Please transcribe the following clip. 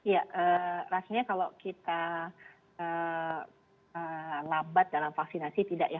ya rasanya kalau kita lambat dalam vaksinasi tidak ya